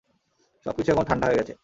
সবকিছু এখন ঠান্ডা হয়ে গেছে।